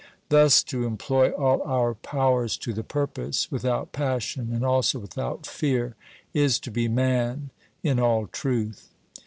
... Thus to employ all our powers to the purpose, without p:ission and also without fear, is to be man in all truth.